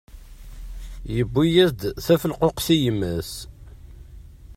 Yewwi-yas-d tafelquqt i yemma-s.